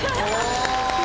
お！